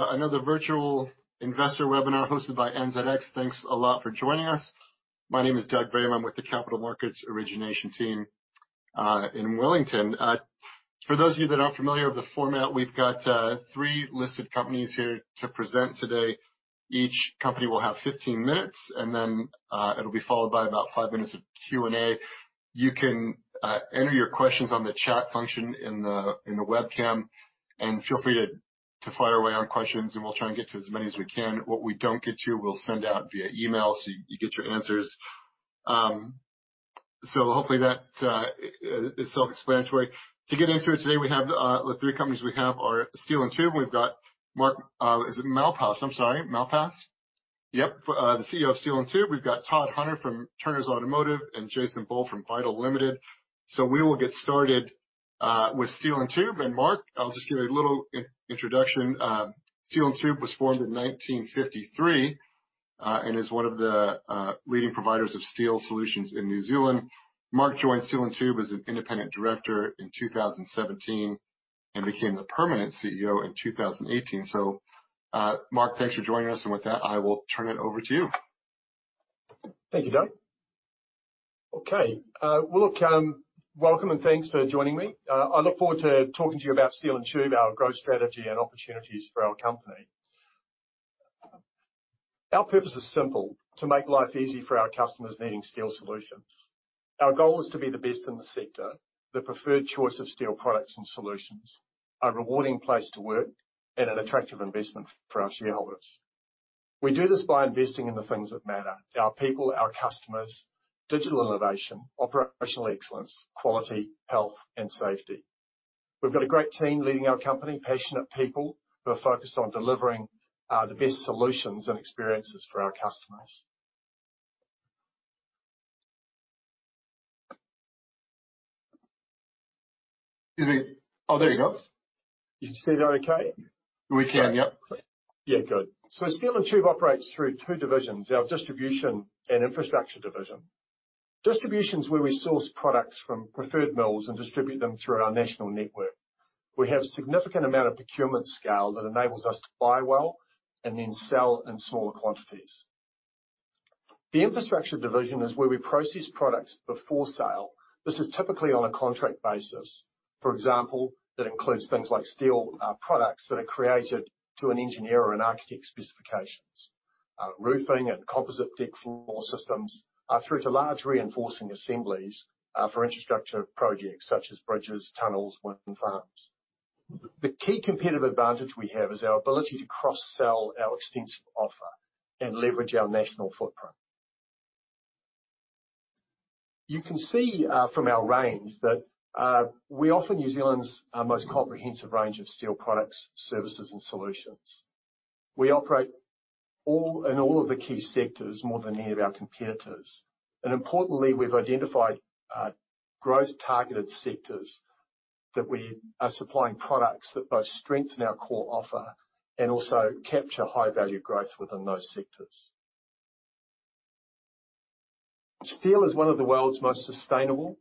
Another virtual investor webinar hosted by NZX. Thanks a lot for joining us. My name is Doug Bray. I'm with the Capital Markets Origination team in Wellington. For those of you that aren't familiar with the format, we've got three listed companies here to present today. Each company will have 15 minutes, and then it'll be followed by about five minutes of Q&A. You can enter your questions on the chat function in the webcam, and feel free to fire away on questions and we'll try and get to as many as we can. What we don't get to, we'll send out via email so you get your answers. Hopefully that is self-explanatory. To get into it today, we have the three companies we have are Steel & Tube. We've got Mark, is it Malpass? I'm sorry. Malpass. Yep. The CEO of Steel & Tube. We've got Todd Hunter from Turners Automotive and Jason Bull from Vital Limited. We will get started with Steel & Tube. Mark, I'll just give a little introduction. Steel & Tube was formed in 1953 and is one of the leading providers of steel solutions in New Zealand. Mark joined Steel & Tube as an independent director in 2017 and became the permanent CEO in 2018. Mark, thanks for joining us. With that, I will turn it over to you. Thank you, Doug. Okay. Well, look, welcome, and thanks for joining me. I look forward to talking to you about Steel & Tube, our growth strategy, and opportunities for our company. Our purpose is simple: To make life easy for our customers needing steel solutions. Our goal is to be the best in the sector, the preferred choice of steel products and solutions, a rewarding place to work, and an attractive investment for our shareholders. We do this by investing in the things that matter: Our people, our customers, digital innovation, operational excellence, quality, health, and safety. We've got a great team leading our company, passionate people who are focused on delivering the best solutions and experiences for our customers. Excuse me. Oh, there you go. You can see that okay? We can, yep. Yeah. Good. Steel & Tube operates through two divisions, our distribution and infrastructure division. Distribution is where we source products from preferred mills and distribute them through our national network. We have a significant amount of procurement scale that enables us to buy well and then sell in smaller quantities. The infrastructure division is where we process products before sale. This is typically on a contract basis. For example, that includes things like steel, products that are created to an engineer or an architect specifications. Roofing and composite deck floor systems are through to large reinforcing assemblies, for infrastructure projects such as bridges, tunnels, wind farms. The key competitive advantage we have is our ability to cross-sell our extensive offer and leverage our national footprint. You can see from our range that we offer New Zealand's most comprehensive range of steel products, services, and solutions. We operate in all of the key sectors more than any of our competitors. Importantly, we've identified growth targeted sectors that we are supplying products that both strengthen our core offer and also capture high-value growth within those sectors. Steel is one of the world's most sustainable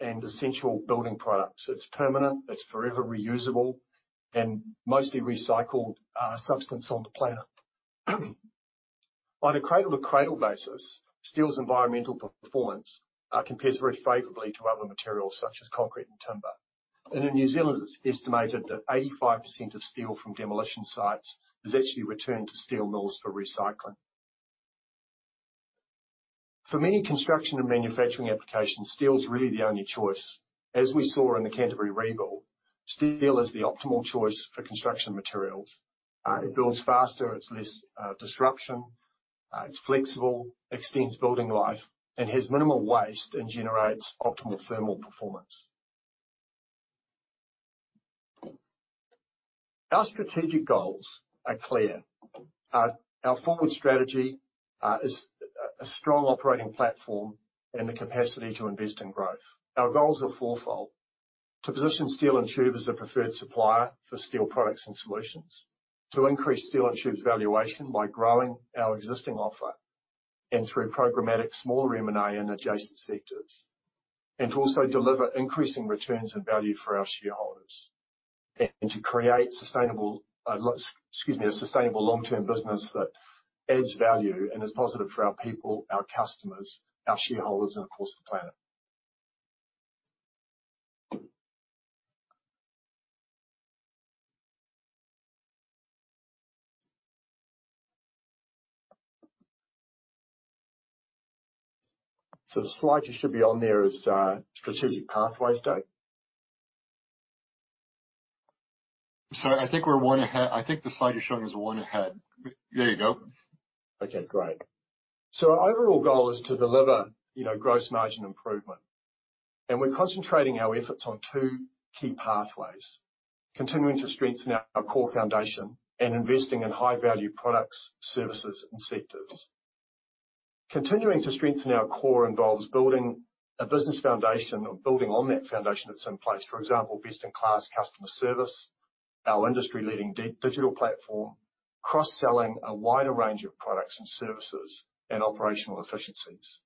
and essential building products. It's permanent, it's forever reusable, and mostly recycled substance on the planet. On a cradle-to-cradle basis, steel's environmental performance compares very favorably to other materials such as concrete and timber. In New Zealand, it's estimated that 85% of steel from demolition sites is actually returned to steel mills for recycling. For many construction and manufacturing applications, steel is really the only choice. As we saw in the Canterbury rebuild, steel is the optimal choice for construction materials. It builds faster, it's less disruption, it's flexible, extends building life, and has minimal waste and generates optimal thermal performance. Our strategic goals are clear. Our forward strategy is a strong operating platform and the capacity to invest in growth. Our goals are fourfold: To position Steel & Tube as a preferred supplier for steel products and solutions. To increase Steel & Tube's valuation by growing our existing offer and through programmatic small M&A in adjacent sectors. To also deliver increasing returns and value for our shareholders. To create sustainable, excuse me, a sustainable long-term business that adds value and is positive for our people, our customers, our shareholders, and of course, the planet. The slide you should be on there is strategic pathways, Doug. I think we're one ahead. I think the slide you're showing is one ahead. There you go. Okay, great. Our overall goal is to deliver, you know, gross margin improvement, and we're concentrating our efforts on two key pathways, continuing to strengthen our core foundation and investing in high-value products, services, and sectors. Continuing to strengthen our core involves building a business foundation or building on that foundation that's in place. For example, best-in-class customer service, our industry-leading digital platform, cross-selling a wider range of products and services, and operational efficiencies.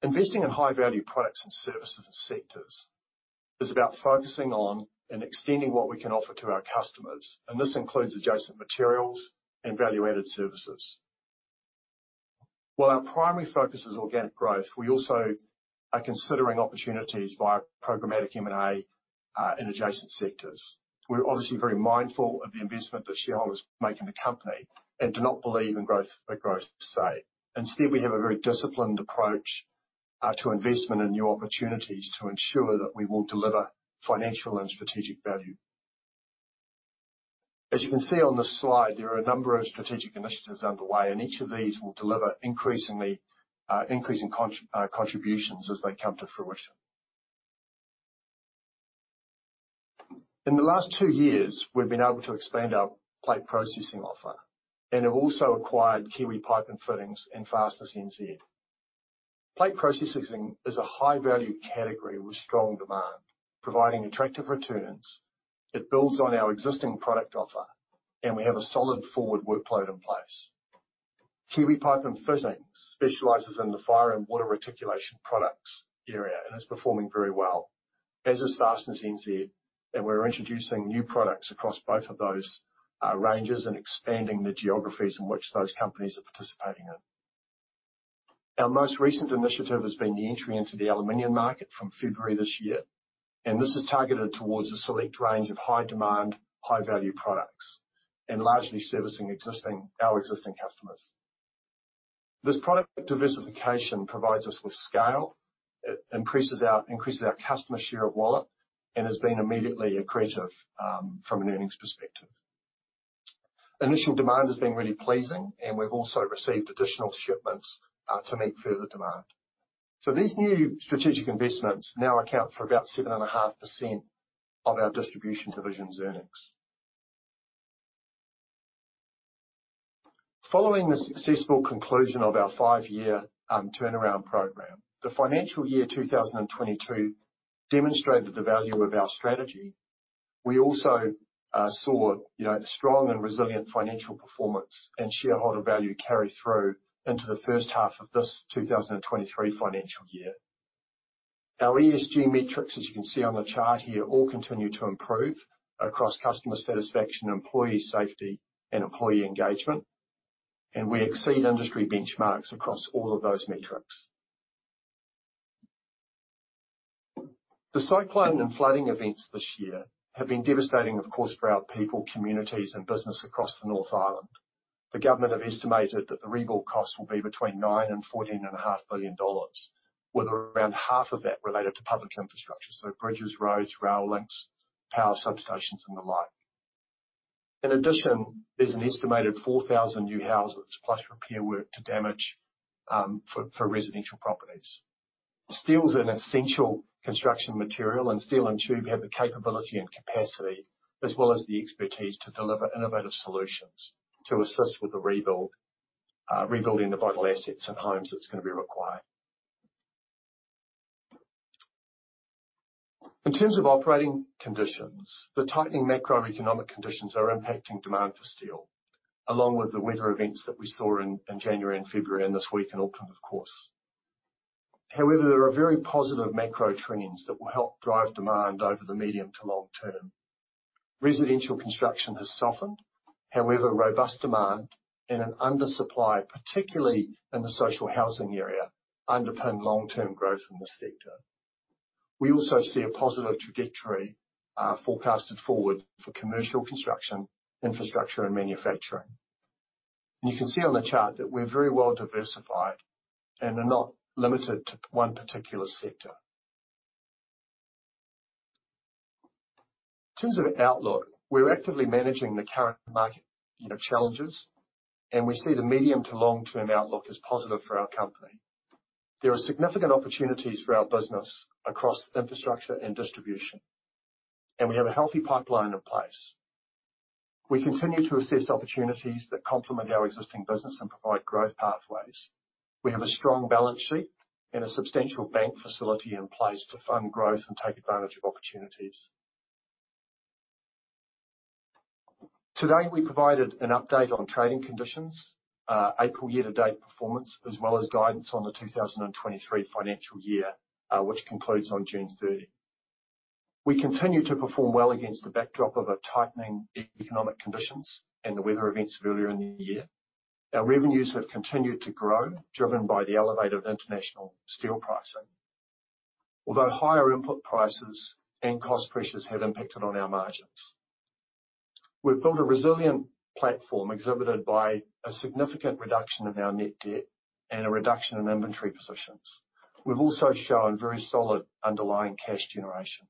Investing in high-value products and services sectors is about focusing on and extending what we can offer to our customers. This includes adjacent materials and value-added services. While our primary focus is organic growth, we also are considering opportunities via programmatic M&A in adjacent sectors. We're obviously very mindful of the investment that shareholders make in the company and do not believe in growth for growth's sake. Instead, we have a very disciplined approach to investment and new opportunities to ensure that we will deliver financial and strategic value. As you can see on this slide, there are a number of strategic initiatives underway, and each of these will deliver increasingly increasing contributions as they come to fruition. In the last two years, we've been able to expand our plate processing offer and have also acquired Kiwi Pipe and Fittings and Fasteners NZ. Plate processing is a high value category with strong demand, providing attractive returns. It builds on our existing product offer, and we have a solid forward workload in place. Kiwi Pipe and Fittings specializes in the fire and water reticulation products area and is performing very well, as is Fasteners NZ. We're introducing new products across both of those ranges and expanding the geographies in which those companies are participating in. Our most recent initiative has been the entry into the aluminum market from February this year, and this is targeted towards a select range of high demand, high value products and largely servicing our existing customers. This product diversification provides us with scale. It increases our customer share of wallet and has been immediately accretive from an earnings perspective. Initial demand has been really pleasing, and we've also received additional shipments to meet further demand. These new strategic investments now account for about 7.5% of our distribution division's earnings. Following the successful conclusion of our five-year turnaround program, the financial year 2022 demonstrated the value of our strategy. We also saw, you know, strong and resilient financial performance and shareholder value carry through into the first half of this 2023 financial year. Our ESG metrics, as you can see on the chart here, all continue to improve across customer satisfaction, employee safety and employee engagement, and we exceed industry benchmarks across all of those metrics. The cyclone and flooding events this year have been devastating, of course, for our people, communities and business across the North Island. The government have estimated that the rebuild cost will be between 9 billion dollars and NZD 14.5 billion, with around half of that related to public infrastructure, so bridges, roads, rail links, power substations and the like. In addition, there's an estimated 4,000 new houses plus repair work to damage for residential properties. Steel is an essential construction material, and Steel & Tube have the capability and capacity as well as the expertise to deliver innovative solutions to assist with the rebuild, rebuilding the vital assets and homes that's gonna be required. In terms of operating conditions, the tightening macroeconomic conditions are impacting demand for steel, along with the weather events that we saw in January and February and this week in Auckland, of course. There are very positive macro trends that will help drive demand over the medium to long term. Residential construction has softened. Robust demand and an undersupply, particularly in the social housing area, underpin long-term growth in this sector. We also see a positive trajectory, forecasted forward for commercial construction, infrastructure and manufacturing. You can see on the chart that we're very well diversified and are not limited to one particular sector. In terms of outlook, we're actively managing the current market, you know, challenges. We see the medium-to-long-term outlook as positive for our company. There are significant opportunities for our business across infrastructure and distribution. We have a healthy pipeline in place. We continue to assess opportunities that complement our existing business and provide growth pathways. We have a strong balance sheet and a substantial bank facility in place to fund growth and take advantage of opportunities. Today, we provided an update on trading conditions, April year-to-date performance, as well as guidance on the 2023 financial year, which concludes on June 30. We continue to perform well against the backdrop of a tightening economic conditions and the weather events earlier in the year. Our revenues have continued to grow, driven by the elevated international steel pricing. Higher input prices and cost pressures have impacted on our margins. We've built a resilient platform exhibited by a significant reduction of our net debt and a reduction in inventory positions. We've also shown very solid underlying cash generation.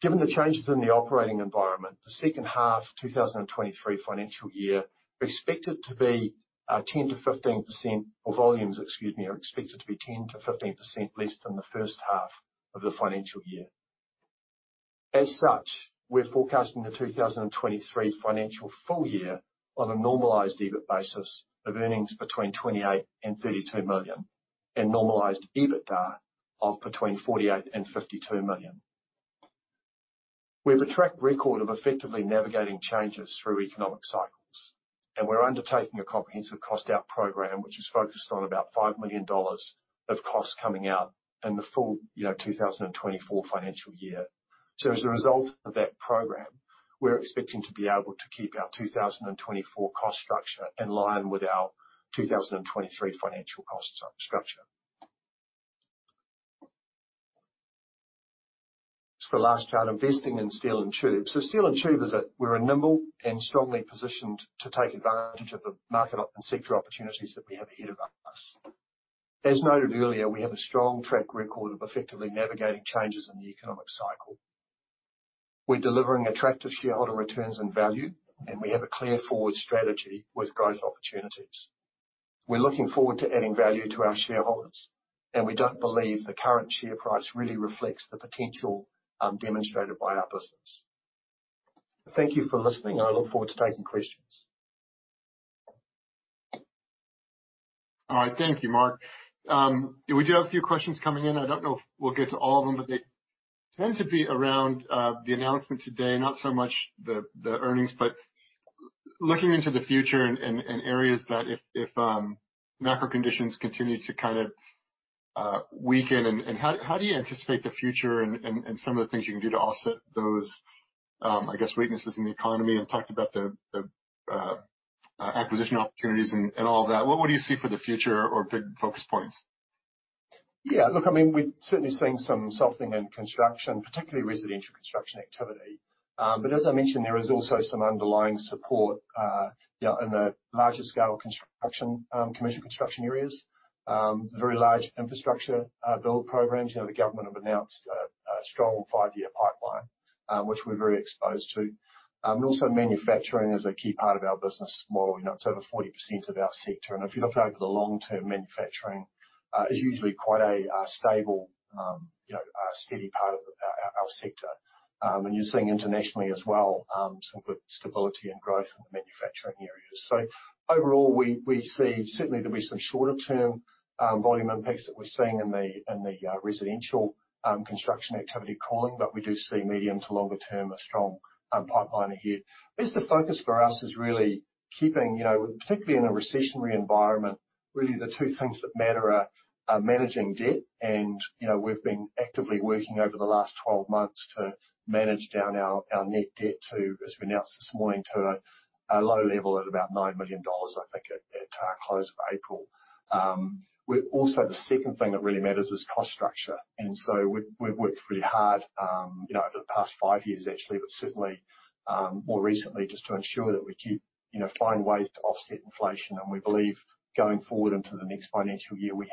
Given the changes in the operating environment, the second half 2023 financial year expected to be, or volumes, excuse me, are expected to be 10%-15% less than the first half of the financial year. We're forecasting the 2023 financial full year on a normalized EBIT basis of earnings between 28 million and 32 million and normalized EBITDA of between 48 million and 52 million. We have a track record of effectively navigating changes through economic cycles. We're undertaking a comprehensive cost-out program which is focused on about 5 million dollars of costs coming out in the full, you know, 2024 financial year. As a result of that program, we're expecting to be able to keep our 2024 cost structure in line with our 2023 financial cost structure. It's the last chart. Investing in Steel & Tube. Steel & Tube. We're nimble and strongly positioned to take advantage of the market and sector opportunities that we have ahead of us. As noted earlier, we have a strong track record of effectively navigating changes in the economic cycle. We're delivering attractive shareholder returns and value, and we have a clear forward strategy with growth opportunities. We're looking forward to adding value to our shareholders, and we don't believe the current share price really reflects the potential demonstrated by our business. Thank you for listening, and I look forward to taking questions. All right. Thank you, Mark. We do have a few questions coming in. I don't know if we'll get to all of them, but they tend to be around the announcement today, not so much the earnings. Looking into the future and, and areas that if macro conditions continue to kind of weaken and how do you anticipate the future and, and some of the things you can do to offset those, I guess, weaknesses in the economy? You talked about the acquisition opportunities and all that. What do you see for the future or big focus points? Yeah. Look, I mean, we're certainly seeing some softening in construction, particularly residential construction activity. As I mentioned, there is also some underlying support, you know, in the larger scale construction, commercial construction areas. Very large infrastructure build programs. You know, the government have announced a strong five year pipeline, which we're very exposed to. Also manufacturing is a key part of our business model. You know, it's over 40% of our sector. If you look out over the long term, manufacturing is usually quite a stable, you know, steady part of our sector. You're seeing internationally as well, some good stability and growth in the manufacturing areas. Overall, we see certainly there'll be some shorter term, volume impacts that we're seeing in the, in the residential, construction activity calling, but we do see medium to longer term, a strong pipeline ahead. I guess the focus for us is really keeping, you know, particularly in a recessionary environment, really the two things that matter are managing debt. You know, we've been actively working over the last 12 months to manage down our net debt to, as we announced this morning, to a low level at about 9 million dollars, I think at close of April. Also, the second thing that really matters is cost structure. We've worked really hard, you know, over the past five years actually, but certainly, more recently, just to ensure that we keep, you know, find ways to offset inflation. We believe going forward into the next financial year, we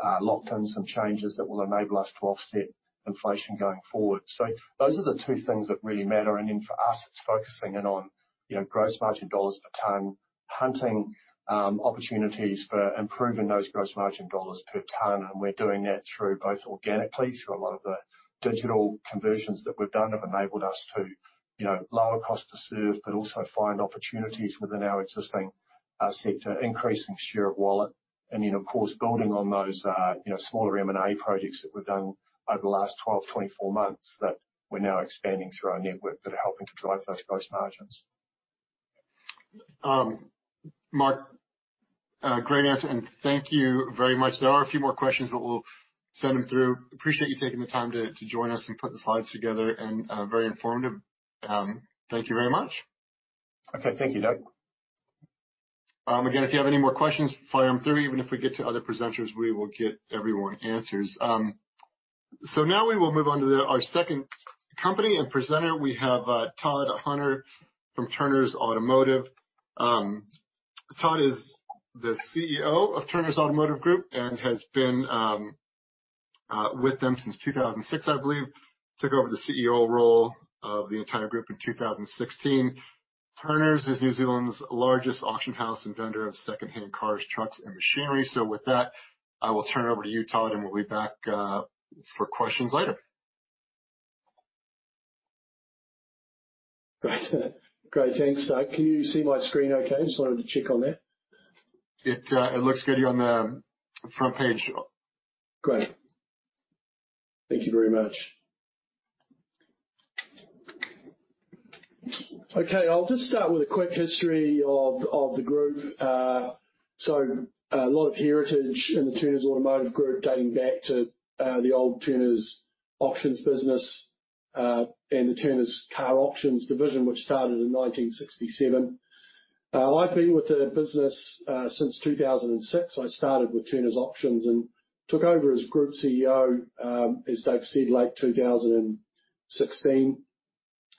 have locked in some changes that will enable us to offset inflation going forward. Those are the two things that really matter. For us, it's focusing in on, you know, gross margin dollars per ton, hunting, opportunities for improving those gross margin dollars per ton. We're doing that through both organically, through a lot of the digital conversions that we've done have enabled us to, you know, lower cost to serve, but also find opportunities within our existing sector, increasing share of wallet. Of course, building on those, you know, smaller M&A projects that we've done over the last 12, 24 months that we're now expanding through our network that are helping to drive those gross margins. Mark, great answer. Thank you very much. There are a few more questions. We'll send them through. Appreciate you taking the time to join us and put the slides together. Very informative. Thank you very much. Okay. Thank you, Doug. Again, if you have any more questions, fire them through. Even if we get to other presenters, we will get everyone answers. Now we will move on to our second company and presenter. We have Todd Hunter from Turners Automotive. Todd is the CEO of Turners Automotive Group and has been with them since 2006, I believe. Took over the CEO role of the entire group in 2016. Turners is New Zealand's largest auction house and vendor of secondhand cars, trucks, and machinery. With that, I will turn it over to you, Todd, and we'll be back for questions later. Great. Great. Thanks, Doug. Can you see my screen okay? Just wanted to check on that. It looks good here on the front page. Great. Thank you very much. I'll just start with a quick history of the group. A lot of heritage in the Turners Automotive Group dating back to the old Turners Auctions business and the Turners Car Auctions division, which started in 1967. I've been with the business since 2006. I started with Turners Auctions and took over as Group CEO, as Doug said, late 2016.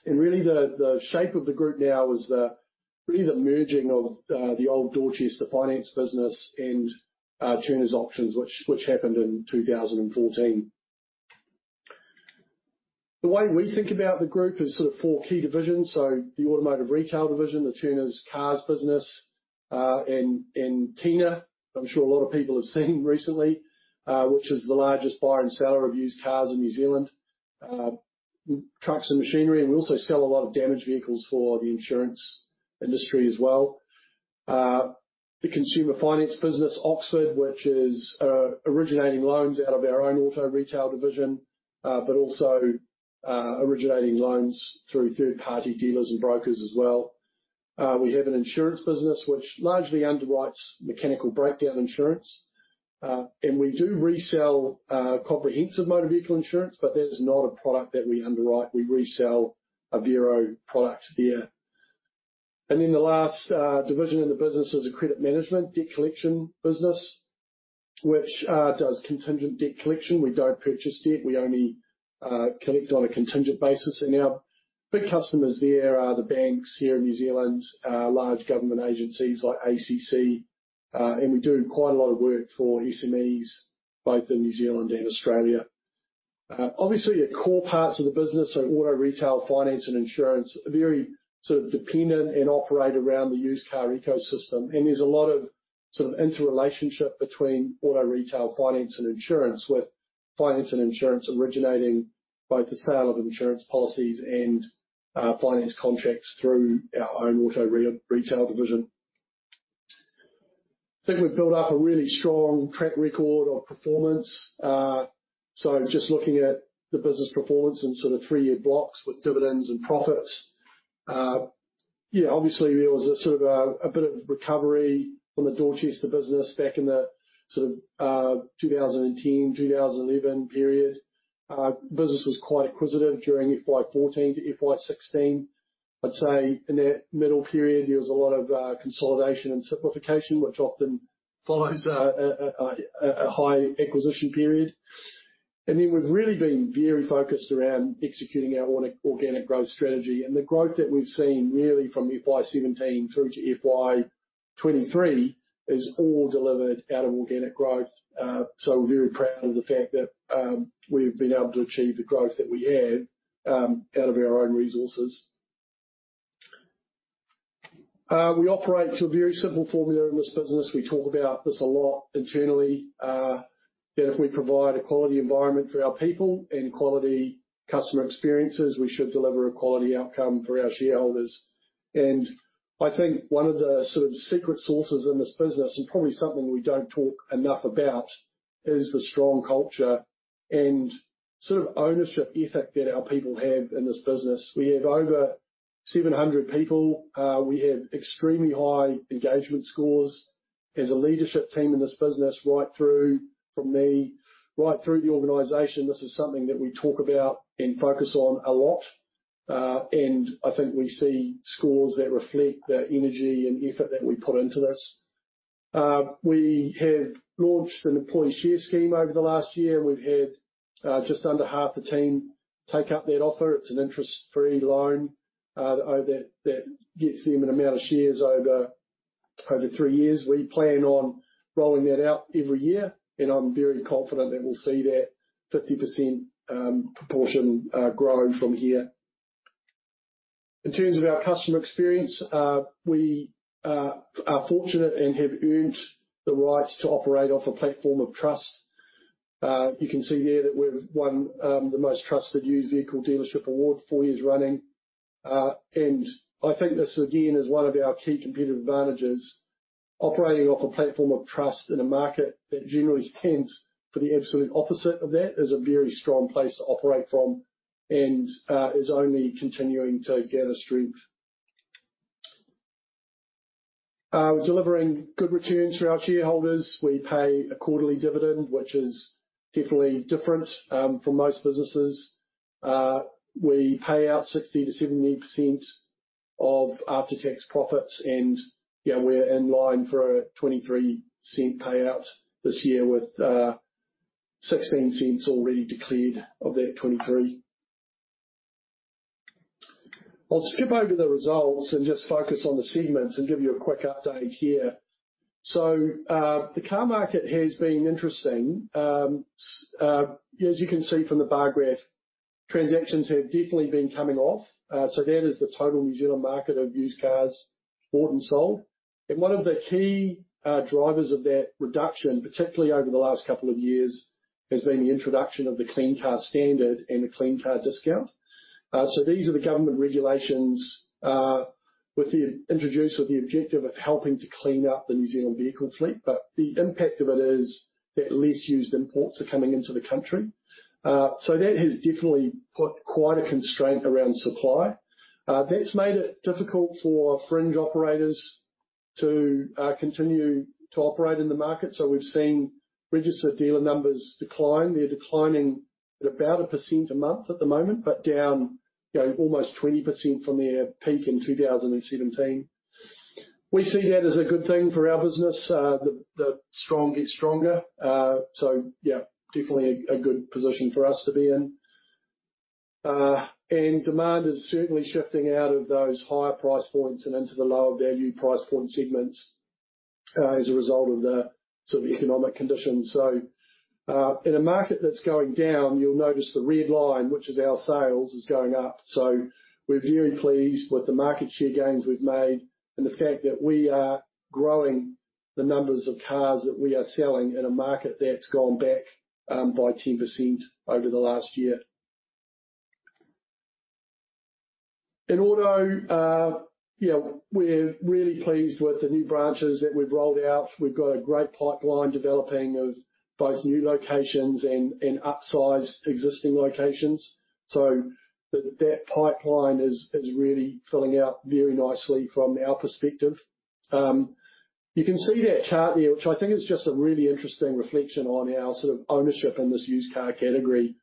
Really the shape of the group now is really the merging of the old Dorchester Finance business and Turners Auctions, which happened in 2014. The way we think about the group is sort of four key divisions. The Automotive Retail division, the Turners Cars business, and Tina, I'm sure a lot of people have seen recently, which is the largest buyer and seller of used cars in New Zealand, trucks and machinery. We also sell a lot of damaged vehicles for the insurance industry as well. The consumer finance business, Oxford, which is originating loans out of our own auto retail division, but also originating loans through third-party dealers and brokers as well. We have an insurance business which largely underwrites mechanical breakdown insurance. And we do resell comprehensive motor vehicle insurance, but that is not a product that we underwrite. We resell a Vero product there. The last division in the business is a credit management debt collection business, which does contingent debt collection. We don't purchase debt. We only collect on a contingent basis. Our big customers there are the banks here in New Zealand, large government agencies like ACC. We do quite a lot of work for SMEs, both in New Zealand and Australia. Obviously, your core parts of the business are auto retail, finance, and insurance, are very sort of dependent and operate around the used car ecosystem. There's a lot of sort of interrelationship between auto retail, finance, and insurance, with finance and insurance originating both the sale of insurance policies and finance contracts through our own auto re-retail division. I think we've built up a really strong track record of performance. Just looking at the business performance in sort of three year blocks with dividends and profits. Yeah, obviously there was a sort of a bit of recovery from the Dorchester business back in the sort of 2010, 2011 period. Business was quite acquisitive during FY14 to FY16. I'd say in that middle period, there was a lot of consolidation and simplification, which often follows a high acquisition period. Then we've really been very focused around executing our organic growth strategy. The growth that we've seen really from FY17 through to FY23 is all delivered out of organic growth. So we're very proud of the fact that we've been able to achieve the growth that we have out of our own resources. We operate to a very simple formula in this business. We talk about this a lot internally, that if we provide a quality environment for our people and quality customer experiences, we should deliver a quality outcome for our shareholders. I think one of the sort of secret sauces in this business, and probably something we don't talk enough about, is the strong culture and sort of ownership ethic that our people have in this business. We have over 700 people. We have extremely high engagement scores. As a leadership team in this business right through from me, right through the organization, this is something that we talk about and focus on a lot. I think we see scores that reflect that energy and effort that we put into this. We have launched an employee share scheme over the last year. We've had just under half the team take up that offer. It's an interest-free loan, that gets them an amount of shares over three years. We plan on rolling that out every year, I'm very confident that we'll see that 50% proportion grow from here. In terms of our customer experience, we are fortunate and have earned the right to operate off a platform of trust. You can see here that we've won the Most Trusted Used Vehicle Dealership award four years running. I think this again, is one of our key competitive advantages. Operating off a platform of trust in a market that generally stands for the absolute opposite of that is a very strong place to operate from and is only continuing to gather strength. We're delivering good returns for our shareholders. We pay a quarterly dividend, which is definitely different from most businesses. We pay out 60%-70% of after-tax profits. Yeah, we're in line for a 0.23 payout this year with 0.16 already declared of that 23. I'll skip over the results and just focus on the segments and give you a quick update here. The car market has been interesting. As you can see from the bar graph, transactions have definitely been coming off. That is the total New Zealand market of used cars bought and sold. One of the key drivers of that reduction, particularly over the last couple of years, has been the introduction of the Clean Car Standard and the Clean Car Discount. These are the government regulations, introduced with the objective of helping to clean up the New Zealand vehicle fleet. The impact of it is that less used imports are coming into the country. That has definitely put quite a constraint around supply. That's made it difficult for fringe operators to continue to operate in the market. We've seen registered dealer numbers decline. They're declining at about 1% a month at the moment, but down, you know, almost 20% from their peak in 2017. We see that as a good thing for our business. The strong get stronger. Yeah, definitely a good position for us to be in. Demand is certainly shifting out of those higher price points and into the lower value price point segments, as a result of the sort of economic conditions. In a market that's going down, you'll notice the red line, which is our sales, is going up. We're very pleased with the market share gains we've made and the fact that we are growing the numbers of cars that we are selling in a market that's gone back by 10% over the last year. In auto, we're really pleased with the new branches that we've rolled out. We've got a great pipeline developing of both new locations and upsized existing locations. That pipeline is really filling out very nicely from our perspective. You can see that chart there, which I think is just a really interesting reflection on our sort of ownership in this used car category.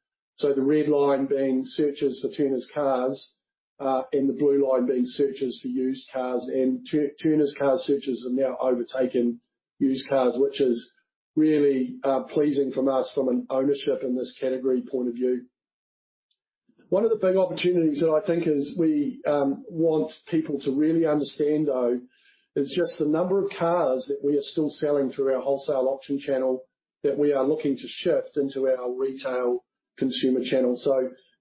The red line being searches for Turners Cars, and the blue line being searches for used cars. Turners Cars searches have now overtaken used cars, which is really pleasing from us from an ownership in this category point of view. One of the big opportunities that I think is we want people to really understand, though, is just the number of cars that we are still selling through our wholesale auction channel that we are looking to shift into our retail consumer channel.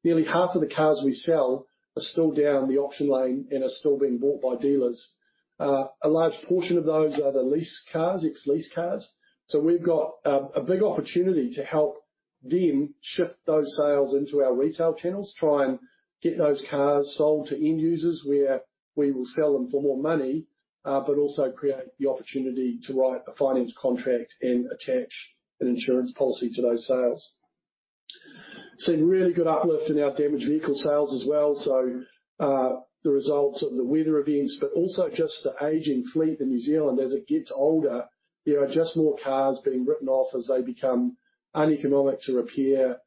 Nearly half of the cars we sell are still down the auction lane and are still being bought by dealers. A large portion of those are the lease cars, ex-lease cars. We've got a big opportunity to help them shift those sales into our retail channels, try and get those cars sold to end users, where we will sell them for more money, but also create the opportunity to write a finance contract and attach an insurance policy to those sales. Seen really good uplift in our damaged vehicle sales as well. The results of the weather events, but also just the aging fleet in New Zealand. As it gets older, there are just more cars being written off as they become uneconomic to repair.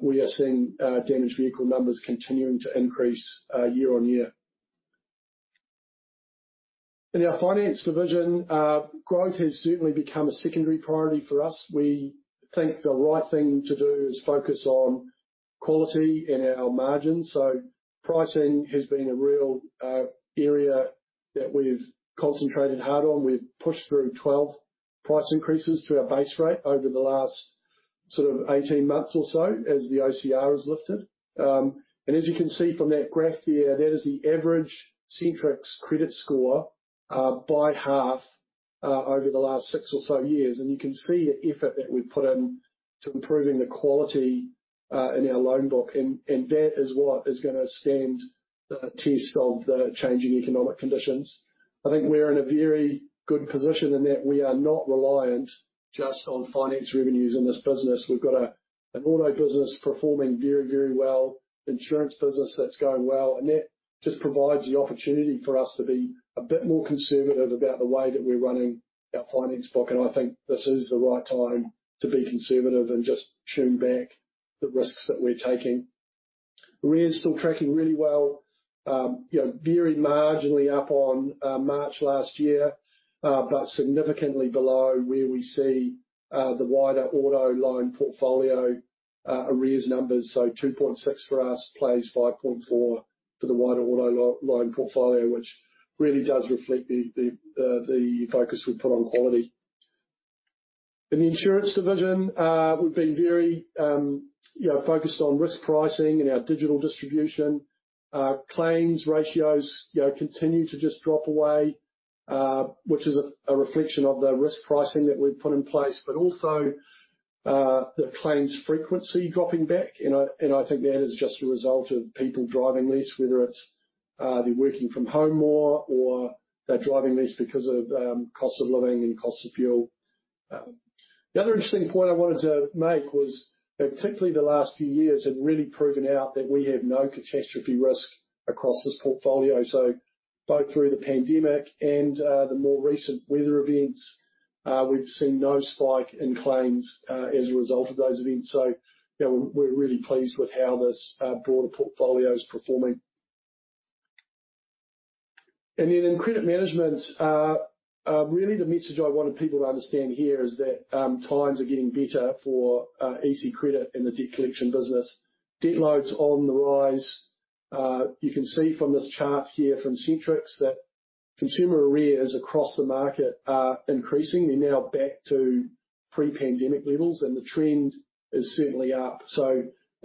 We are seeing damaged vehicle numbers continuing to increase year-on-year. In our finance division, growth has certainly become a secondary priority for us. We think the right thing to do is focus on quality and our margins. Pricing has been a real area that we've concentrated hard on. We've pushed through 12 price increases to our base rate over the last sort of 18 months or so as the OCR has lifted. As you can see from that graph there, that is the average Centrix Credit score by half over the last six or so years. You can see the effort that we've put in to improving the quality in our loan book, and that is what is gonna stand the test of the changing economic conditions. I think we're in a very good position in that we are not reliant just on finance revenues in this business. We've got an auto business performing very, very well, insurance business that's going well, and that just provides the opportunity for us to be a bit more conservative about the way that we're running our finance book. I think this is the right time to be conservative and just tune back the risks that we're taking. Arrears still tracking really well. You know, very marginally up on March last year, but significantly below where we see the wider auto loan portfolio arrears numbers. 2.6% for us plays 5.4% for the wider auto loan portfolio, which really does reflect the focus we've put on quality. In the insurance division, we've been very, you know, focused on risk pricing and our digital distribution. Claims ratios, you know, continue to just drop away, which is a reflection of the risk pricing that we've put in place, but also, the claims frequency dropping back. I think that is just a result of people driving less, whether it's, they're working from home more or they're driving less because of, cost of living and cost of fuel. The other interesting point I wanted to make was that particularly the last few years have really proven out that we have no catastrophe risk across this portfolio. Both through the pandemic and, the more recent weather events, we've seen no spike in claims, as a result of those events. You know, we're really pleased with how this, broader portfolio is performing. In credit management, really the message I wanted people to understand here is that times are getting better for EC Credit Control and the debt collection business. Debt load's on the rise. You can see from this chart here from Centrix that consumer arrears across the market are increasing. We're now back to pre-pandemic levels. The trend is certainly up.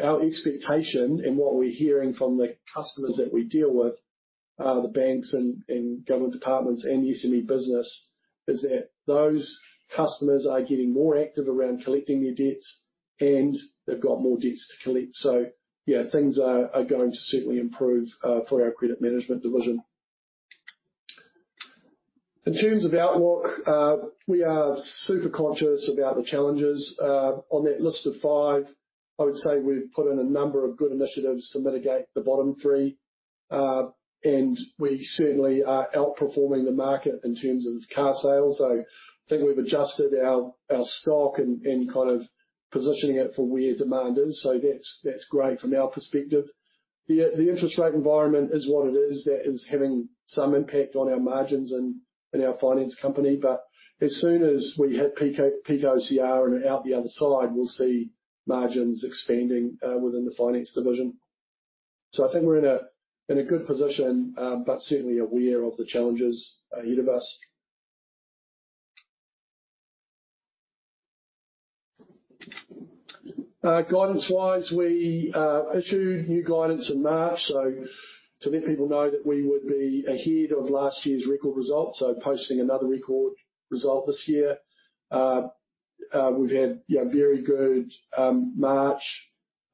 Our expectation and what we're hearing from the customers that we deal with, the banks and government departments and the SME business, is that those customers are getting more active around collecting their debts, and they've got more debts to collect. Things are going to certainly improve for our credit management division. In terms of outlook, we are super conscious about the challenges. On that list of five, I would say we've put in a number of good initiatives to mitigate the bottom three. We certainly are outperforming the market in terms of car sales. I think we've adjusted our stock and kind of positioning it for where demand is. That's great from our perspective. The interest rate environment is what it is. That is having some impact on our margins and in our finance company. As soon as we hit peak OCR and are out the other side, we'll see margins expanding within the finance division. I think we're in a good position, but certainly aware of the challenges ahead of us. Guidance-wise, we issued new guidance in March. To let people know that we would be ahead of last year's record result, posting another record result this year. We've had, you know, very good March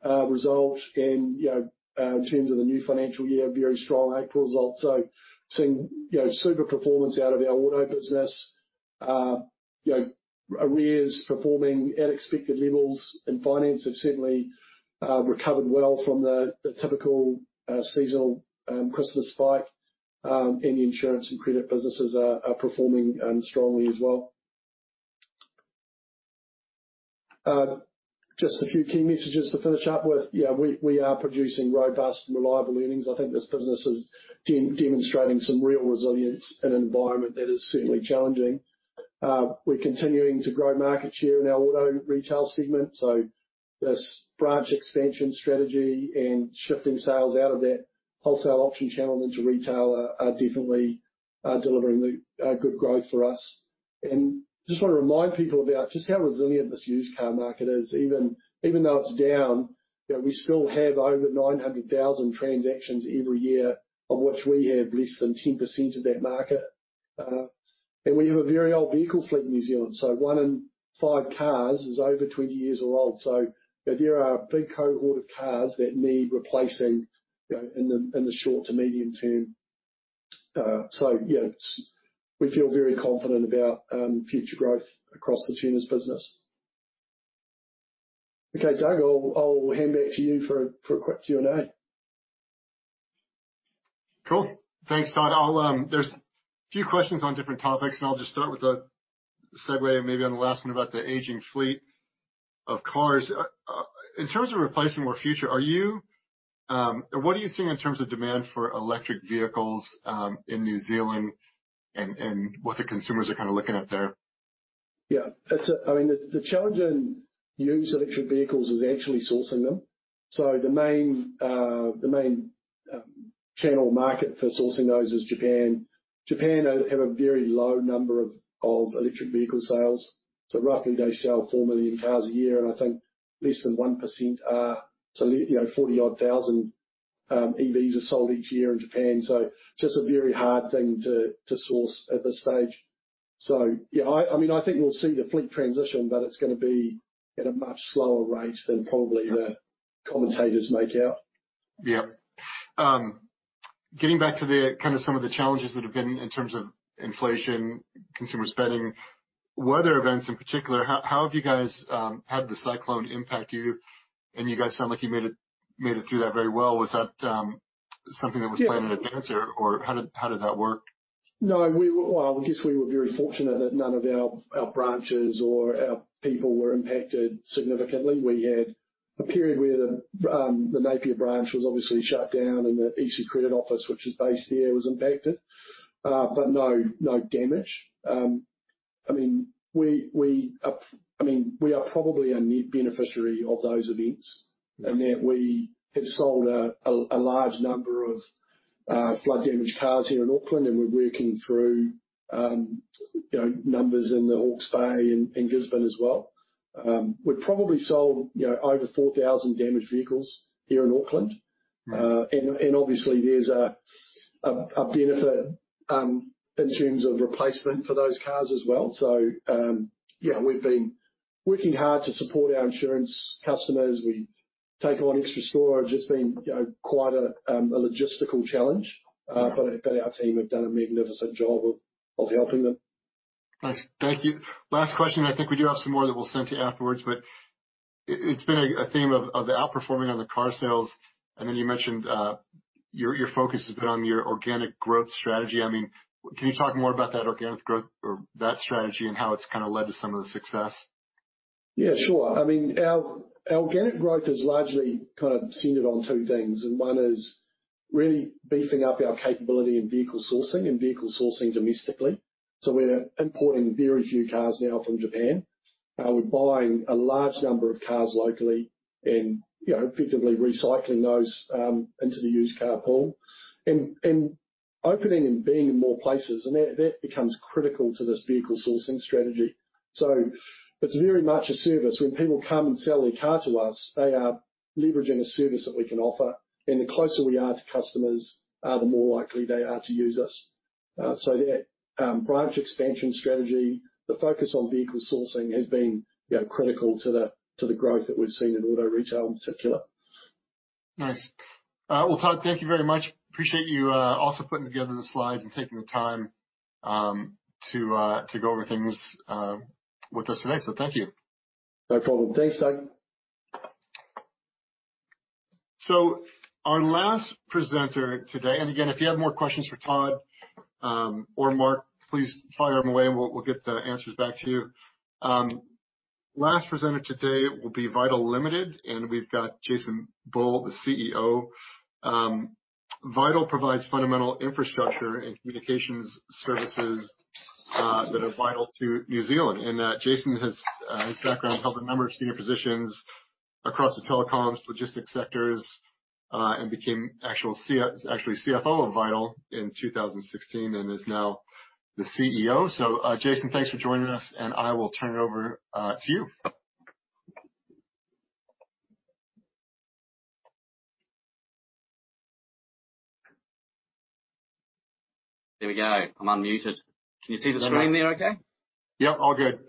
result. You know, in terms of the new financial year, very strong April results. Seeing, you know, super performance out of our auto business. You know, arrears performing at expected levels. Finance have certainly recovered well from the typical seasonal Christmas spike. The insurance and credit businesses are performing strongly as well. Just a few key messages to finish up with. Yeah, we are producing robust and reliable earnings. I think this business is demonstrating some real resilience in an environment that is certainly challenging. We're continuing to grow market share in our auto retail segment. This branch expansion strategy and shifting sales out of that wholesale auction channel into retail are definitely delivering the good growth for us. Just wanna remind people about just how resilient this used car market is. Even though it's down, you know, we still have over 900,000 transactions every year, of which we have less than 10% of that market. And we have a very old vehicle fleet in New Zealand, so one in five cars is over 20 years old. You know, there are a big cohort of cars that need replacing, you know, in the short to medium term. You know, we feel very confident about future growth across the Turners business. Doug, I'll hand back to you for a quick Q&A. Cool. Thanks, Todd. I'll, there's a few questions on different topics, and I'll just start with a segue maybe on the last one about the aging fleet of cars. In terms of replacing more future, are you, what are you seeing in terms of demand for electric vehicles, in New Zealand and what the consumers are kinda looking at there? I mean the challenge in used electric vehicles is actually sourcing them. The main channel market for sourcing those is Japan. Japan have a very low number of electric vehicle sales. Roughly they sell four million cars a year, and I think less than 1% are, so, you know, 40 odd thousand EVs are sold each year in Japan. Just a very hard thing to source at this stage. I mean, I think we'll see the fleet transition, but it's gonna be at a much slower rate than probably the commentators make out. Yeah. getting back to the kind of some of the challenges that have been in terms of inflation, consumer spending, weather events in particular, how have you guys, had the cyclone impact you? You guys sound like you made it through that very well. Was that, something that was planned in advance or how did, how did that work? Well, I guess we were very fortunate that none of our branches or our people were impacted significantly. We had a period where the Napier branch was obviously shut down, and the EC Credit office, which is based here, was impacted. No, no damage. I mean, we are probably a net beneficiary of those events in that we have sold a large number of flood damaged cars here in Auckland and we're working through, you know, numbers in the Hawke's Bay and Gisborne as well. We've probably sold, you know, over 4,000 damaged vehicles here in Auckland. Obviously there's a benefit in terms of replacement for those cars as well. Yeah, we've been working hard to support our insurance customers. We take on extra store. It's just been, you know, quite a logistical challenge. Our team have done a magnificent job of helping them. Nice. Thank you. Last question. I think we do have some more that we'll send to you afterwards, but it's been a theme of the outperforming on the car sales, and then you mentioned, your focus has been on your organic growth strategy. I mean, can you talk more about that organic growth or that strategy and how it's kinda led to some of the success? Sure. I mean, our organic growth is largely kind of centered on two things, and one is really beefing up our capability in vehicle sourcing and vehicle sourcing domestically. We're importing very few cars now from Japan. We're buying a large number of cars locally and, you know, effectively recycling those into the used car pool. Opening and being in more places, and that becomes critical to this vehicle sourcing strategy. It's very much a service. When people come and sell their car to us, they are leveraging a service that we can offer, and the closer we are to customers, the more likely they are to use us. That branch expansion strategy, the focus on vehicle sourcing has been, you know, critical to the, to the growth that we've seen in auto retail in particular. Nice. well, Todd, thank you very much. Appreciate you, also putting together the slides and taking the time, to go over things, with us today. Thank you. No problem. Thanks, Doug. Our last presenter today, and again, if you have more questions for Todd, or Mark, please fire them away and we'll get the answers back to you. Last presenter today will be Vital Limited, and we've got Jason Bull, the CEO. Vital provides fundamental infrastructure and communications services that are vital to New Zealand. Jason has his background held a number of senior positions across the telecoms, logistics sectors, and actually CFO of Vital in 2016 and is now the CEO. Jason, thanks for joining us, and I will turn it over to you. There we go. I'm unmuted. Can you see the screen there okay? Yep, all good.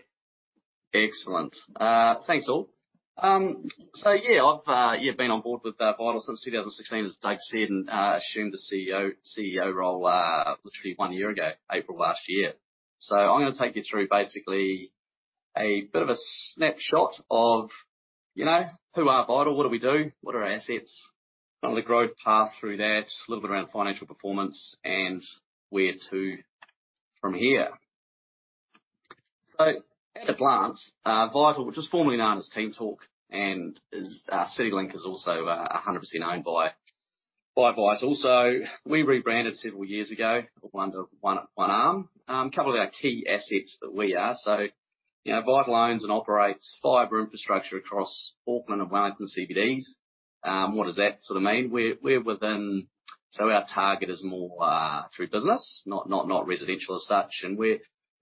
Excellent. Thanks, all. I've been on board with Vital since 2016, as Dave said, and assumed the CEO role literally one year ago, April last year. I'm gonna take you through basically a bit of a snapshot of, you know, who are Vital, what do we do, what are our assets, kind of the growth path through that, a little bit around financial performance and where to from here. At a glance, Vital, which was formerly known as TeamTalk and is CityLink is also 100% owned by Vital. We rebranded several years ago of one arm. A couple of our key assets that we are. Vital owns and operates fiber infrastructure across Auckland and Wellington CBDs. What does that sort of mean? We're within. Our target is more through business, not residential as such.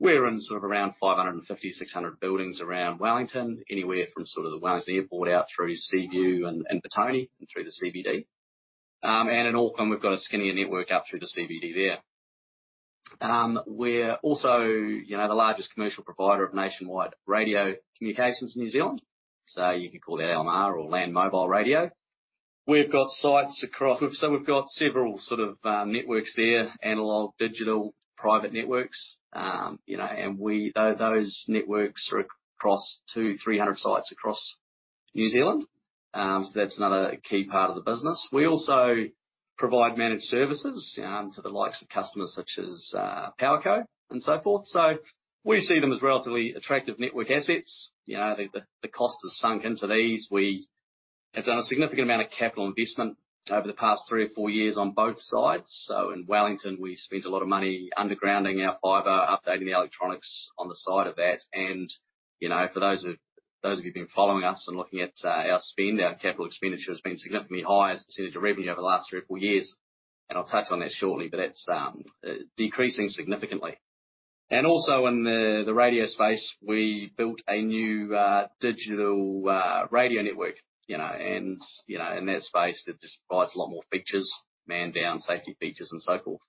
We're in sort of around 550, 600 buildings around Wellington, anywhere from sort of the Wellington Airport out through Seaview and Petone and through the CBD. In Auckland, we've got a skinnier network up through the CBD there. We're also, you know, the largest commercial provider of nationwide radio communications in New Zealand. You could call that LMR or Land Mobile Radio. We've got sites across. We've got several sort of networks there, analog, digital, private networks. You know, those networks are across 2, 300 sites across New Zealand. That's another key part of the business. We also provide managed services to the likes of customers such as Powerco and so forth. We see them as relatively attractive network assets. You know, the cost is sunk into these. We have done a significant amount of capital investment over the past three or four years on both sides. In Wellington, we spent a lot of money undergrounding our fiber, updating the electronics on the side of that. You know, for those of you who've been following us and looking at our spend, our capital expenditure has been significantly higher as a % of revenue over the last three or four years. I'll touch on that shortly, but that's decreasing significantly. Also in the radio space, we built a new digital radio network, you know. You know, in that space, that just provides a lot more features, man down safety features and so forth.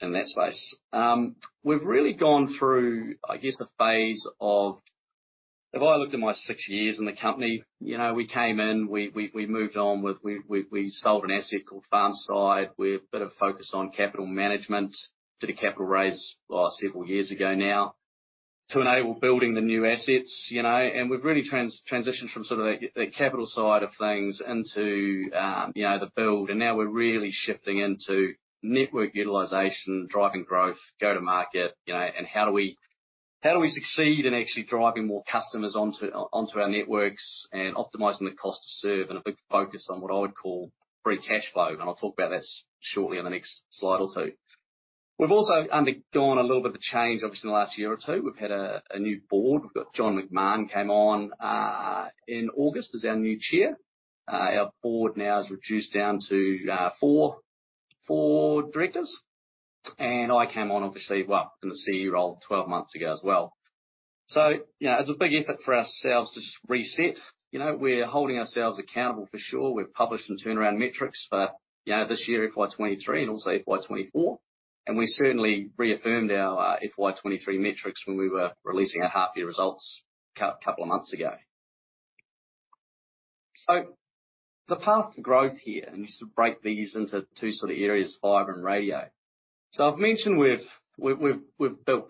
In that space. We've really gone through, I guess, if I looked at my six years in the company, you know, we moved on with, we sold an asset called Farmside. We're a bit of focused on capital management. Did a capital raise several years ago now to enable building the new assets, you know. We've really transitioned from sort of the capital side of things into, you know, the build. Now we're really shifting into network utilization, driving growth, go to market, you know. How do we succeed in actually driving more customers onto our networks and optimizing the cost to serve? A big focus on what I would call free cash flow. I'll talk about that shortly on the next slide or two. We've also undergone a little bit of a change, obviously, in the last year or two. We've had a new board. We've got John McMahon came on in August as our new Chair. Our board now is reduced down to four directors. I came on obviously, well, in the CEO role 12 months ago as well. You know, it's a big effort for ourselves to just reset. You know, we're holding ourselves accountable for sure. We've published some turnaround metrics for, you know, this year, FY23, and also FY24. We certainly reaffirmed our FY23 metrics when we were releasing our half year results a couple of months ago. The path to growth here, and just to break these into two sort of areas, fiber and radio. I've mentioned we've built.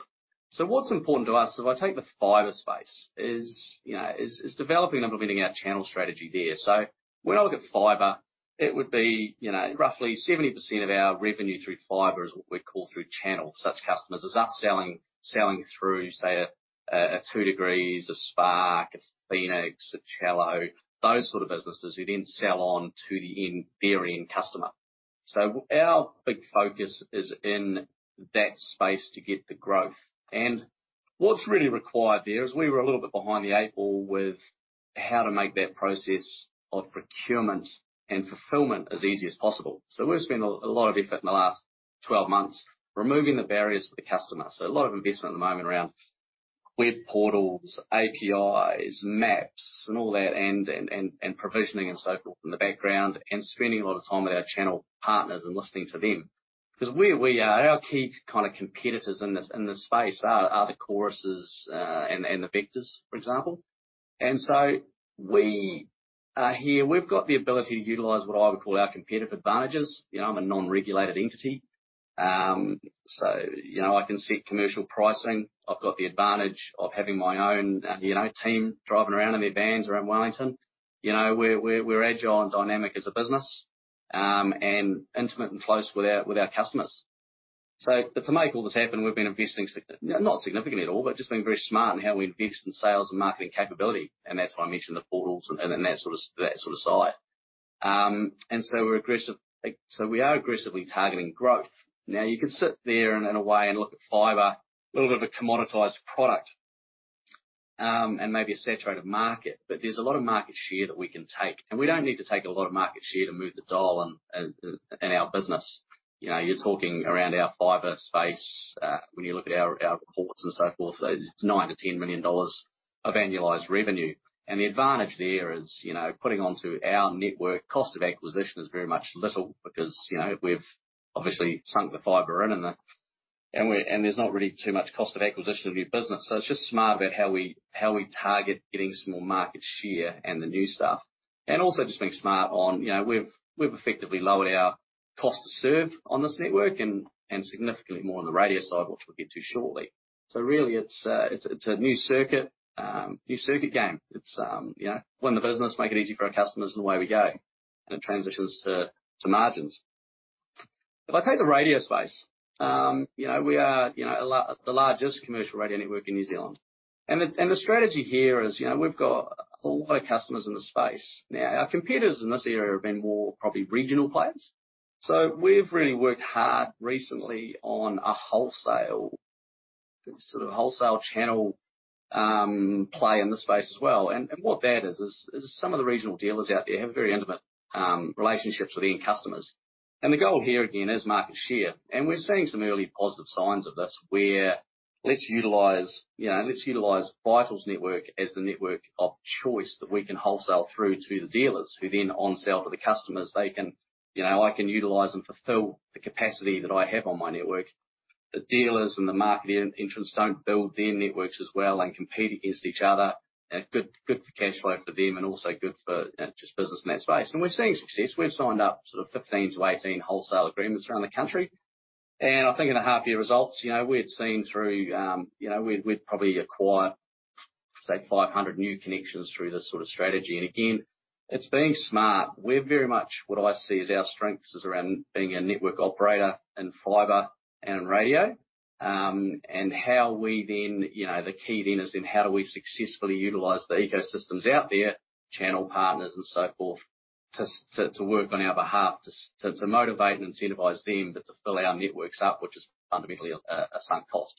What's important to us, if I take the fiber space is, you know, is developing and implementing our channel strategy there. When I look at fiber, it would be, you know, roughly 70% of our revenue through fiber is what we call through channel. Such customers as us selling through, say, a 2degrees, a Spark, a Phoenix, a Cello, those sort of businesses who then sell on to the very end customer. Our big focus is in that space to get the growth. What's really required there is we were a little bit behind the eight ball with how to make that process of procurement and fulfillment as easy as possible. We've spent a lot of effort in the last 12 months removing the barriers for the customer. A lot of investment at the moment around web portals, APIs, maps and all that, and provisioning and so forth in the background, and spending a lot of time with our channel partners and listening to them. Because we are Our key kind of competitors in this, in this space are the Choruses, and the Vectors, for example. We are here. We've got the ability to utilize what I would call our competitive advantages. You know, I'm a non-regulated entity. You know, I can set commercial pricing. I've got the advantage of having my own, you know, team driving around in their vans around Wellington. You know, we're agile and dynamic as a business, and intimate and close with our customers. To make all this happen, we've been investing not significantly at all, but just being very smart in how we invest in sales and marketing capability. That's why I mentioned the portals and that sort of side. We are aggressively targeting growth. You can sit there in a way and look at fiber, a little bit of a commoditized product, and maybe a saturated market. There's a lot of market share that we can take, and we don't need to take a lot of market share to move the dial in our business. You know, you're talking around our fiber space, when you look at our reports and so forth, it's 9 million-10 million dollars of annualized revenue. The advantage there is, you know, putting onto our network, cost of acquisition is very much little because, you know, we've obviously sunk the fiber in. There's not really too much cost of acquisition of new business. It's just smart about how we, how we target getting some more market share and the new stuff. Also just being smart on, you know, we've effectively lowered our cost to serve on this network and significantly more on the radio side, which we'll get to shortly. Really it's, it's a new circuit, new circuit game. It's, you know, win the business, make it easy for our customers, and away we go. It transitions to margins. If I take the radio space, you know, we are, you know, the largest commercial radio network in New Zealand. The strategy here is, you know, we've got a lot of customers in the space. Now, our competitors in this area have been more probably regional players. So we've really worked hard recently on a wholesale, sort of wholesale channel, play in this space as well. What that is some of the regional dealers out there have very intimate relationships with end customers. The goal here again is market share. We're seeing some early positive signs of this where let's utilize, you know, let's utilize Vital's network as the network of choice that we can wholesale through to the dealers who then on-sell to the customers. They can, you know, I can utilize and fulfill the capacity that I have on my network. The dealers and the market entrants don't build their networks as well and compete against each other. Good for cash flow for them and also good for just business in that space. We're seeing success. We've signed up sort of 15-18 wholesale agreements around the country. I think in the half year results, you know, we'd seen through, you know, we'd probably acquired, say, 500 new connections through this sort of strategy. Again, it's being smart. We're very much what I see as our strengths is around being a network operator in fiber and in radio. How we then, you know, the key then is in how do we successfully utilize the ecosystems out there, channel partners and so forth, to work on our behalf, to motivate and incentivize them, but to fill our networks up, which is fundamentally a sunk cost.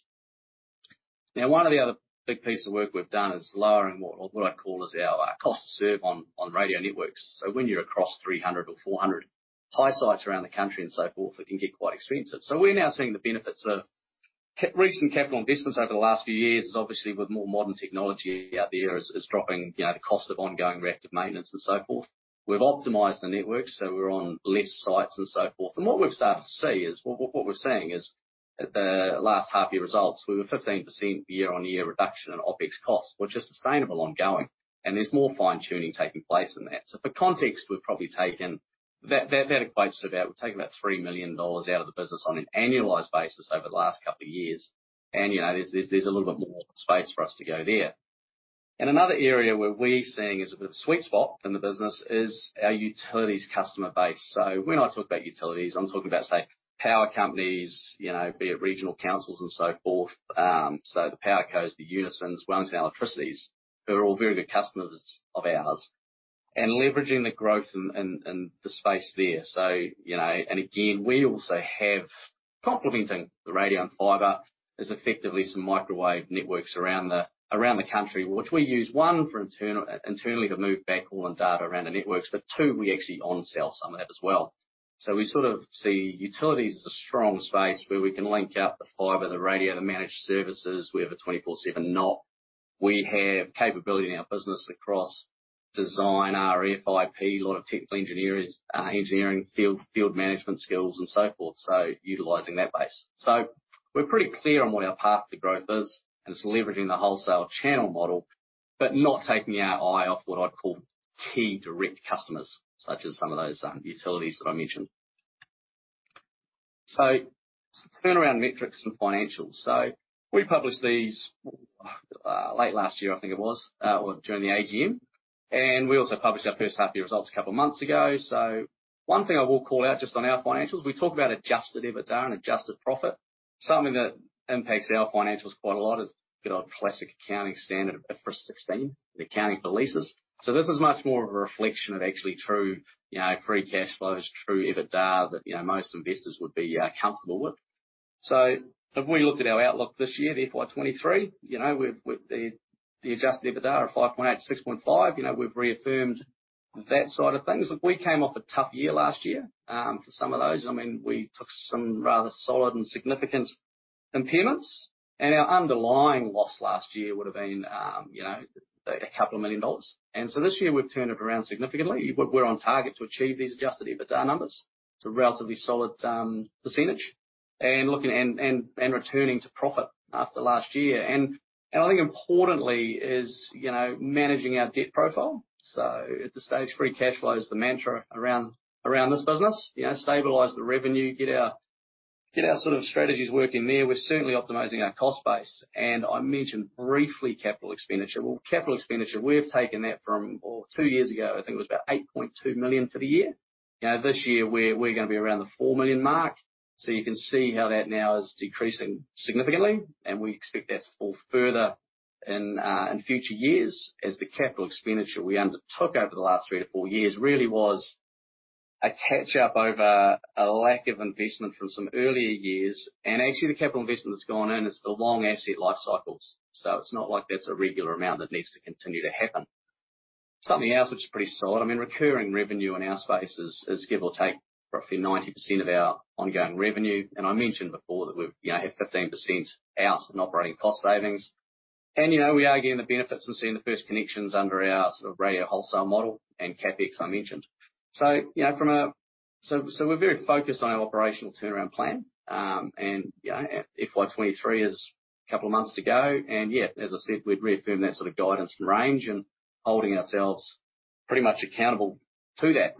One of the other big pieces of work we've done is lowering what I call is our cost to serve on radio networks. When you're across 300 or 400 high sites around the country and so forth, it can get quite expensive. We're now seeing the benefits of recent capital investments over the last few years is obviously with more modern technology out there is dropping, you know, the cost of ongoing reactive maintenance and so forth. We've optimized the network, so we're on less sites and so forth. What we're seeing is at the last half year results, we were 15% year-on-year reduction in OpEx costs, which is sustainable ongoing, and there's more fine-tuning taking place in that. For context, that equates to about, we've taken about 3 million dollars out of the business on an annualized basis over the last couple of years. You know, there's a little bit more space for us to go there. Another area where we're seeing is a bit of a sweet spot in the business is our utilities customer base. When I talk about utilities, I'm talking about, say, power companies, you know, be it regional councils and so forth. The Powerco's, the Unisons, Wellington Electricity, who are all very good customers of ours, and leveraging the growth in the space there. You know, again, we also have, complementing the radio and fiber, is effectively some microwave networks around the, around the country, which we use, one, for internal, internally to move back all the data around the networks. Two, we actually on-sell some of that as well. We sort of see utilities as a strong space where we can link up the fiber, the radio, the managed services. We have a 24/7 NOC. We have capability in our business across design, RFI, a lot of technical engineer is, engineering field management skills, and so forth. Utilizing that base. We're pretty clear on what our path to growth is, and it's leveraging the wholesale channel model, but not taking our eye off what I'd call key direct customers, such as some of those, utilities that I mentioned. Turnaround metrics and financials. We published these, late last year, I think it was, or during the AGM. We also published our first half year results a couple of months ago. One thing I will call out just on our financials, we talk about Adjusted EBITDA and adjusted profit. Something that impacts our financials quite a lot is the good old classic accounting standard, IFRS 16, the accounting for leases. This is much more of a reflection of actually true, you know, free cash flows, true EBITDA that, you know, most investors would be comfortable with. If we looked at our outlook this year, the FY 23, you know, with the adjusted EBITDA of 5.8 million-6.5 million, you know, we've reaffirmed that side of things. Look, we came off a tough year last year for some of those. I mean, we took some rather solid and significant impairments, and our underlying loss last year would have been, you know, a couple of million New Zealand dollars. This year we've turned it around significantly. We're on target to achieve these Adjusted EBITDA numbers. It's a relatively solid percentage. Looking and returning to profit after last year. I think importantly is, you know, managing our debt profile. At this stage, free cash flow is the mantra around this business. You know, stabilize the revenue, get our sort of strategies working there. We're certainly optimizing our cost base. I mentioned briefly capital expenditure. Capital expenditure, we've taken that from, or two years ago, I think it was about 8.2 million for the year. You know, this year we're gonna be around the 4 million mark. You can see how that now is decreasing significantly. We expect that to fall further in future years as the capital expenditure we undertook over the last three to four years really was a catch up over a lack of investment from some earlier years. Actually, the capital investment that's gone in, it's got long asset life cycles. It's not like that's a regular amount that needs to continue to happen. Something else which is pretty solid, I mean, recurring revenue in our space is give or take roughly 90% of our ongoing revenue. I mentioned before that we've, you know, have 15% out in operating cost savings. You know, we are getting the benefits and seeing the first connections under our sort of radio wholesale model and CapEx I mentioned. You know, so we're very focused on our operational turnaround plan. You know, FY 2023 is a couple of months to go. Yeah, as I said, we've reaffirmed that sort of guidance and range and holding ourselves pretty much accountable to that.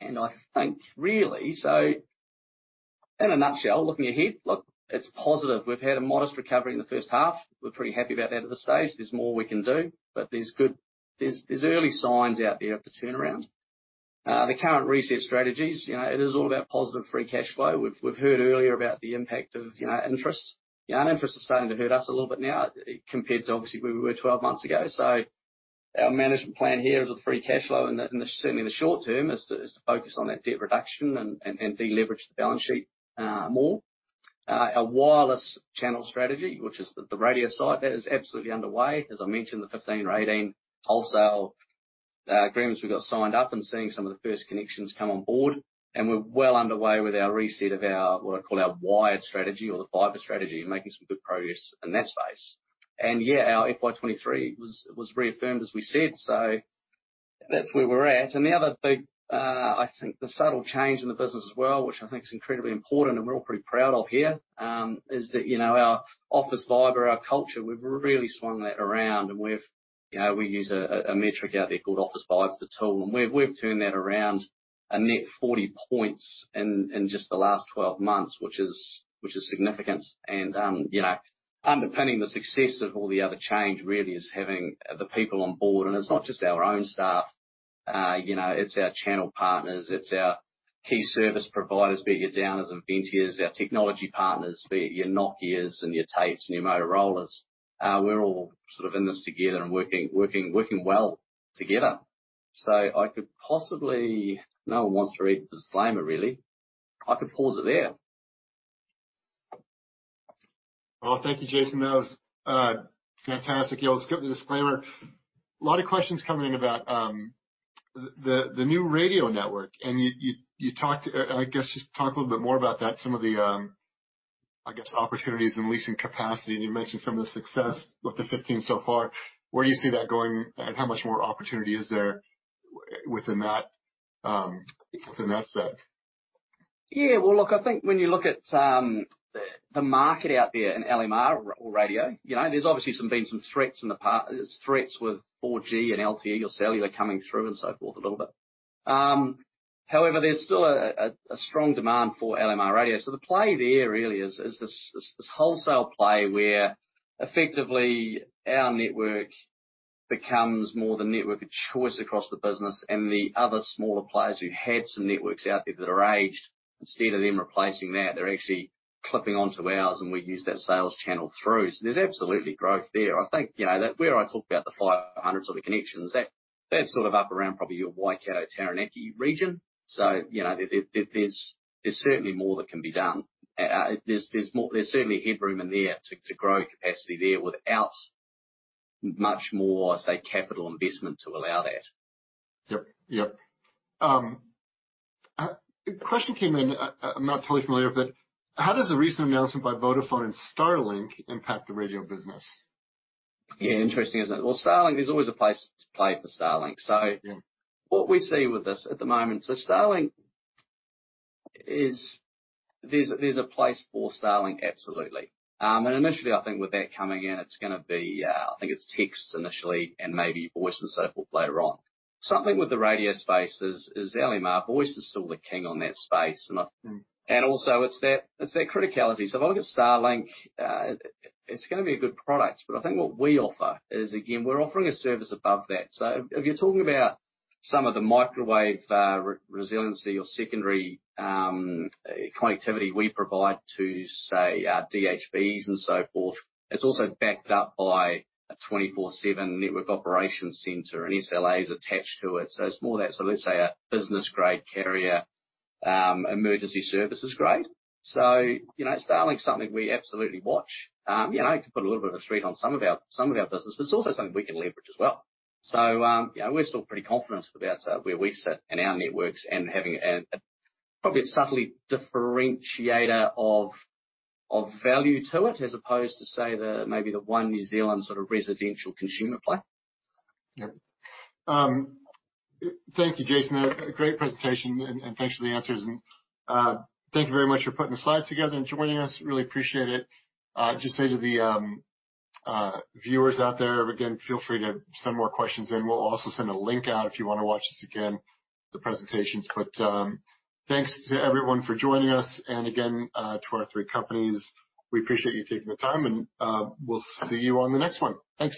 I think really, in a nutshell, looking ahead, look, it's positive. We've had a modest recovery in the first half. We're pretty happy about that at this stage. There's more we can do. There's good early signs out there of the turnaround. The current reset strategies, you know, it is all about positive free cash flow. We've heard earlier about the impact of, you know, interest. You know, interest is starting to hurt us a little bit now compared to obviously where we were 12 months ago. Our management plan here is with free cash flow in the certainly in the short term is to focus on that debt reduction and de-leverage the balance sheet more. Our wireless channel strategy, which is the radio side, that is absolutely underway. As I mentioned, the 15 or 18 wholesale agreements we got signed up and seeing some of the first connections come on board. We're well underway with our reset of our, what I call our wired strategy or the fiber strategy and making some good progress in that space. Yeah, our FY 2023 was reaffirmed, as we said. That's where we're at. The other big, I think the subtle change in the business as well, which I think is incredibly important and we're all pretty proud of here, is that, you know, our Officevibe or our culture, we've really swung that around and we've, you know, we use a metric out there called Officevibe the tool, and we've turned that around a net 40 points in just the last 12 months, which is significant. You know, underpinning the success of all the other change really is having the people on board. It's not just our own staff, you know, it's our channel partners, it's our key service providers, be it your Downers and Ventia's, our technology partners, be it your Nokia's and your Tait's and your Motorola's. We're all sort of in this together and working, working well together. No one wants to read the disclaimer really. I could pause it there. Thank you, Jason. That was fantastic. Yeah, we'll skip the disclaimer. A lot of questions coming in about the new radio network. You talked, I guess just talk a little bit more about that, some of the, I guess, opportunities in leasing capacity. You mentioned some of the success with the 15 so far. Where do you see that going and how much more opportunity is there within that, within that set? Well, look, I think when you look at the market out there in LMR or radio, you know, there's obviously been some threats. There's threats with 4G and LTE, your cellular coming through and so forth a little bit. However, there's still a strong demand for LMR radio. The play there really is this wholesale play where effectively our network becomes more the network of choice across the business and the other smaller players who had some networks out there that are aged, instead of them replacing that, they're actually clipping onto ours and we use that sales channel through. There's absolutely growth there. I think you know that where I talk about the 500 sort of connections, that's sort of up around probably your Waikato Taranaki region. You know, there's certainly more that can be done. There's certainly headroom in there to grow capacity there without much more, say, capital investment to allow that. Yep. A question came in, I'm not totally familiar, but how does the recent announcement by Vodafone and Starlink impact the radio business? Yeah. Interesting, isn't it? Well, Starlink, there's always a place to play for Starlink. Yeah. What we see with this at the moment. Starlink There's a place for Starlink, absolutely. Initially I think with that coming in, it's gonna be I think it's text initially and maybe voice and so forth later on. Something with the radio space is LMR. Voice is still the king on that space. Mm. Also it's that criticality. If I look at Starlink, it's gonna be a good product, but I think what we offer is, again, we're offering a service above that. If you're talking about some of the microwave, resiliency or secondary, connectivity we provide to say, DHBs and so forth, it's also backed up by a 24/7 network operations center and SLAs attached to it. It's more that, let's say a business-grade carrier, emergency services grade. You know, Starlink's something we absolutely watch. You know, it could put a little bit of a strain on some of our business, but it's also something we can leverage as well. you know, we're still pretty confident about where we sit in our networks and having probably a subtle differentiator of value to it as opposed to, say, the maybe the One New Zealand sort of residential consumer play. Yeah. Thank you, Jason. A great presentation and thanks for the answers and thank you very much for putting the slides together and joining us. Really appreciate it. Just say to the viewers out there, again, feel free to send more questions in. We'll also send a link out if you wanna watch this again, the presentations. Thanks to everyone for joining us and again, to our three companies. We appreciate you taking the time and we'll see you on the next one. Thanks.